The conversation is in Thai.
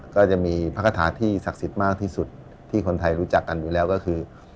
ก็จะมีพระคาถาที่ศักดิ์สิทธิ์มากที่สุดที่คนไทยรู้จักกันอยู่แล้วก็คือ